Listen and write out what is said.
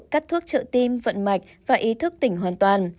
cắt thuốc trợ tim vận mạch và ý thức tỉnh hoàn toàn